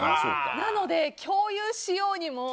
なので、共有しようにも。